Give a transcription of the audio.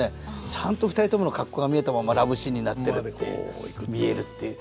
ちゃんと２人ともの格好が見えたままラブシーンになってるっていう見えるっていう。